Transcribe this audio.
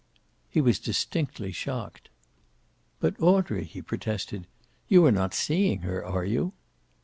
He was distinctly shocked. "But, Audrey," he protested, "you are not seeing her, are you?"